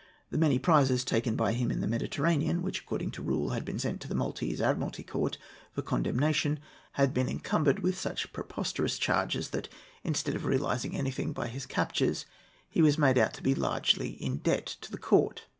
The many prizes taken by him in the Mediterranean, which, according to rule, had been sent to the Maltese Admiralty Court for condemnation, had been encumbered with such preposterous charges that, instead of realizing anything by his captures, he was made out to be largely in debt to the Court.